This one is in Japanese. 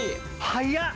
早っ！